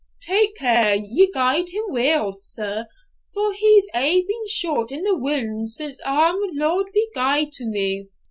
'Tak care ye guide him weel, sir, for he's aye been short in the wind since ahem Lord be gude to me!